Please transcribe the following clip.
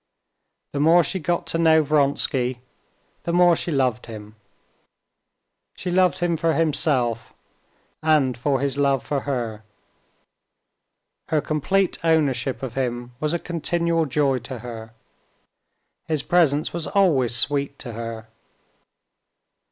The more she got to know Vronsky, the more she loved him. She loved him for himself, and for his love for her. Her complete ownership of him was a continual joy to her. His presence was always sweet to her.